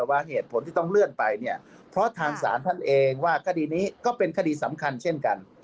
ว่าเหตุผลที่ต้องเลื่อนไปเนี่ยเพราะทางศาลท่านเองว่าคดีนี้ก็เป็นคดีสำคัญเช่นกัน